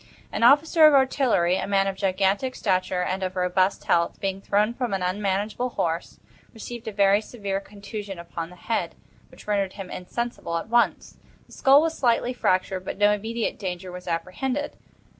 An officer of artillery, a man of gigantic stature and of robust health, being thrown from an unmanageable horse, received a very severe contusion upon the head, which rendered him insensible at once; the skull was slightly fractured, but no immediate danger was apprehended.